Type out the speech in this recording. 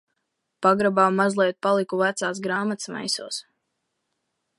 Pagrabā mazliet paliku vecās grāmatas maisos.